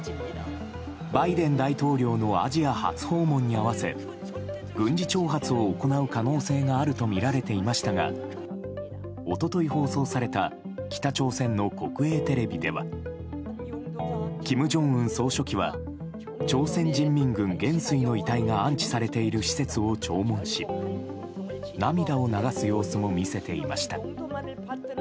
バイデン大統領のアジア初訪問に合わせ軍事挑発を行う可能性があるとみられていましたが一昨日放送された北朝鮮の国営テレビでは金正恩総書記は朝鮮人民軍元帥の遺体が安置されている施設を弔問し涙を流す様子も見せていました。